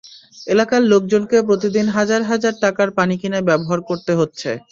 এলাকার লোকজনকে প্রতিদিন হাজার হাজার টাকার পানি কিনে ব্যবহার করতে হচ্ছে।